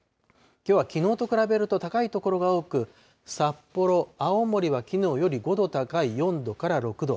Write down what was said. きょうはきのうと比べると高い所が多く、札幌、青森はきのうより５度高い４度から６度。